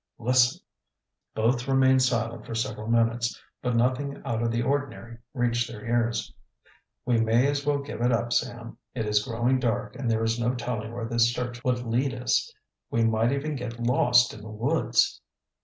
"Listen!" Both remained silent for several minutes, but nothing out of the ordinary reached their ears. "We may as well give it up, Sam. It is growing dark and there is no telling where this search would lead us. We might even get lost in the woods."